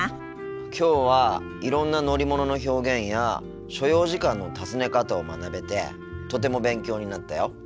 きょうはいろんな乗り物の表現や所要時間の尋ね方を学べてとても勉強になったよ。